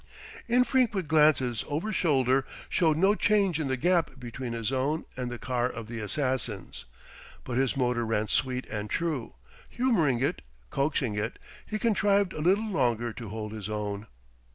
Infrequent glances over shoulder showed no change in the gap between his own and the car of the assassins. But his motor ran sweet and true: humouring it, coaxing it, he contrived a little longer to hold his own.